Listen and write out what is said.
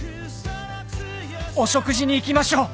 「お食事に行きましょう！」